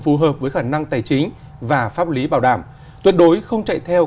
phù hợp với khả năng tài chính và pháp lý bảo đảm tuyệt đối không chạy theo